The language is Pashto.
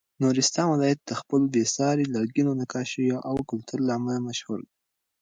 نورستان ولایت د خپلو بې ساري لرګینو نقاشیو او کلتور له امله مشهور دی.